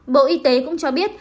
bộ y tế cũng cho biết